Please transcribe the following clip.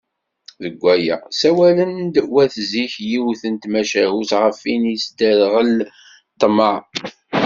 Deg waya, ssawalen-d wat zik yiwet n tmacahut γef win i yesderγil ṭṭmeε.